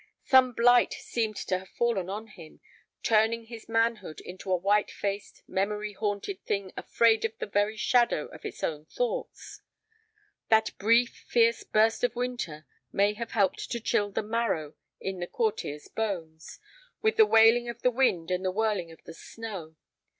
Some blight seemed to have fallen on him, turning his manhood into a white faced, memory haunted thing afraid of the very shadow of its own thoughts. That brief, fierce burst of winter may have helped to chill the marrow in the courtier's bones, with the wailing of the wind and the whirling of the snow.